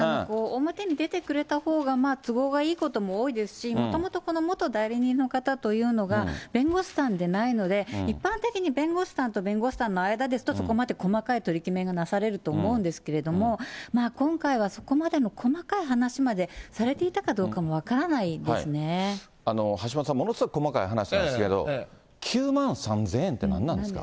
表に出てくれたほうが都合がいいことも多いですし、もともとこの元代理人の方というのが弁護士さんでないので、一般的に弁護士さんと弁護士さんの間ですと、細かい取り決めがなされると思うんですけれども、今回はそこまでの細かい話までされていたかどうかも分からないで橋下さん、ものすごい細かい話ですけど、９万３０００円って何なんですか？